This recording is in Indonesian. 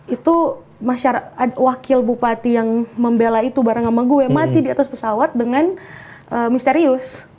itu wakil bupati yang membela itu bareng sama gue mati di atas pesawat dengan misterius